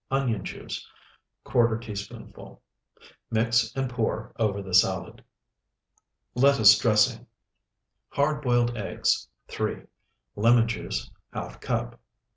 Onion juice, ¼ teaspoonful. Mix and pour over the salad. LETTUCE DRESSING Hard boiled eggs, 3. Lemon juice, ½ cup.